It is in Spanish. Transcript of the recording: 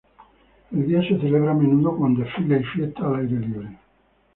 El día se celebra a menudo con desfiles y fiestas al aire libre.